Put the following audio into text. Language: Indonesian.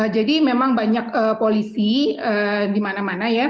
jadi memang banyak polisi di mana mana ya